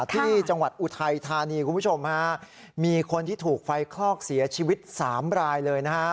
ที่จังหวัดอุทัยธานีคุณผู้ชมฮะมีคนที่ถูกไฟคลอกเสียชีวิตสามรายเลยนะฮะ